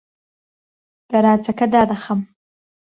گەراجەکە دادەخەم.